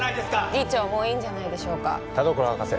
議長もういいんじゃないでしょうか田所博士